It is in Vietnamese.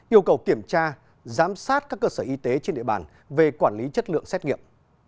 yêu cầu kiểm tra giám sát các cơ sở y tế trên địa bàn về quản lý chất lượng xét nghiệm